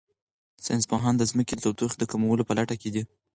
ساینس پوهان د ځمکې د تودوخې د کمولو په لټه کې دي.